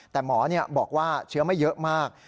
แต่หมอบอกว่าเชื้อไม่เยอะมาก